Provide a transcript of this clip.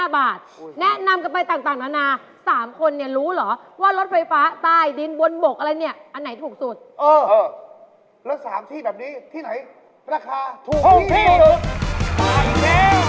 แนะนำกันไปต่างนานา๓คนเนี่ยรู้เหรอว่ารถไฟฟ้าใต้ดินบนบกอะไรเนี่ยอันไหนถูกสุดแล้ว๓ที่แบบนี้ที่ไหนราคาถูกที่สุด